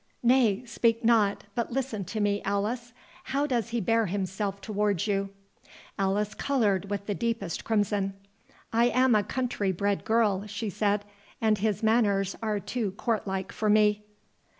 "Nay, speak not, but listen to me, Alice—How does he bear himself towards you?" Alice coloured with the deepest crimson. "I am a country bred girl," she said, "and his manners are too courtlike for me."